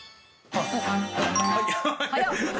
早っ。